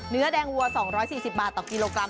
เนื้อแดงวัว๒๔๐บาทต่อกิโลกรัม